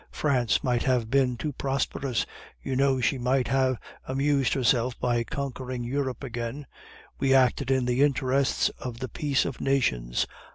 France might have been too prosperous, you know she might have amused herself by conquering Europe again; we acted in the interests of the peace of nations.